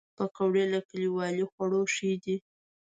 پکورې له کلیوالي خواړو ښې دي